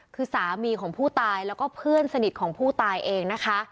คือสามีของผู้ตายแล้วก็เพื่อนสนิทของผู้ตายเองนะคะ